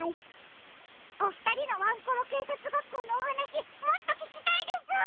おふたりのワンコロけいさつがっこうのおはなしもっとききたいです！